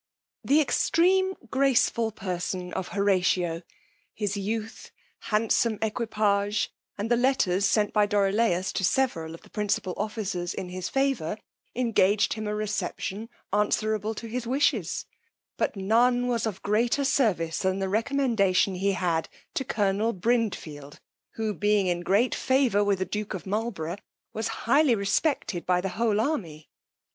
_ The extreme graceful person of Horatio, his youth, handsome equipage, and the letters sent by Dorilaus to several of the principal officers in his favour, engaged him a reception answerable to his wishes: but none was of greater service than the recommendation he had to colonel Brindfield, who being in great favour with the duke of Marlborough, was highly respected by the whole army.